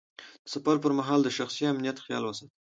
د سفر پر مهال د شخصي امنیت خیال وساته.